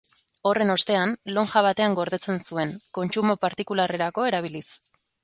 Horren ostean, lonja batean gordetzen zuen, kontsumo partikularrerako erabiliz.